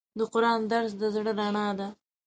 د قرآن درس د زړه رڼا ده.